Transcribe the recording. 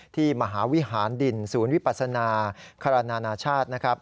มหาวิหารดินศูนย์วิปัสนาคารานานาชาตินะครับ